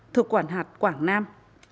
thuộc quảng hạt quảng nam